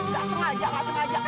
gak sengaja gak sengaja